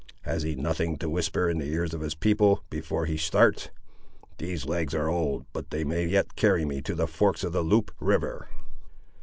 Has he nothing to whisper in the ears of his people, before he starts? These legs are old, but they may yet carry me to the forks of the Loup river."